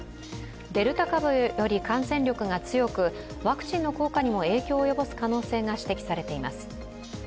デルタ株より感染力が強くワクチンの効果にも影響を及ぼす可能性が指摘されています。